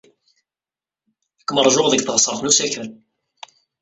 Ad kem-ṛjuɣ deg teɣsert n usakal.